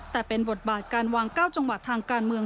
แต่เป็นบทบาทการวาง๙จังหวัดทางการเมือง